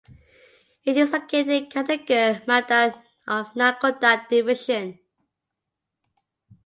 It is located in Kattangur mandal of Nalgonda division.